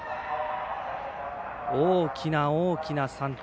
大きな大きな３点。